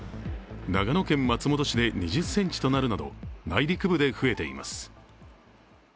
長野県松本市で２０ｃｍとなるなど内陸部で増えています。